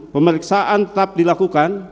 pemeriksaan tetap dilakukan